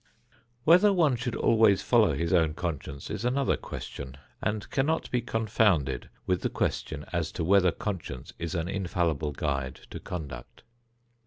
Whether one should always follow his own conscience is another question, and cannot be confounded with the question as to whether conscience is an infallible guide to conduct.